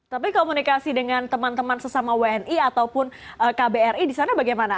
tapi komunikasi dengan teman teman sesama wni ataupun kbri di sana bagaimana